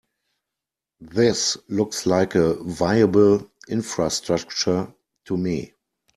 This looks like a viable infrastructure to me.